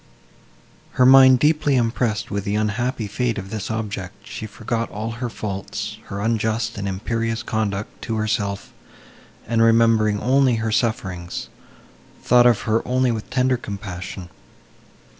Her mind deeply impressed with the unhappy fate of this object, she forgot all her faults, her unjust and imperious conduct to herself; and, remembering only her sufferings, thought of her only with tender compassion.